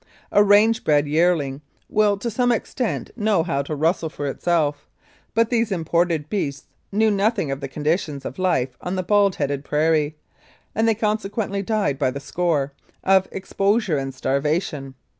A range bred yearling will, to some extent, know how to rustle for itself, but these imported beasts knew nothing of the conditions of life on the bald headed prairie, and they consequently died by the score of exposure and starvation.